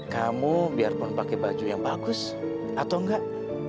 kamu biarpun pakai baju yang bagus atau enggak